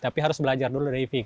tapi harus belajar dulu diving